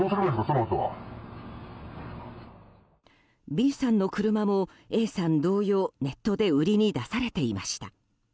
Ｂさんの車も、Ａさん同様ネットで売りに出されていました。